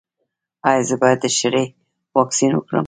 ایا زه باید د شري واکسین وکړم؟